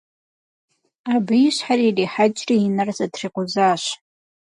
Абы и щхьэр ирихьэкӀри и нэр зэтрикъузащ.